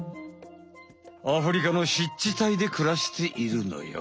アフリカの湿地帯でくらしているのよ。